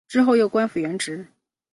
之后又恢复官职。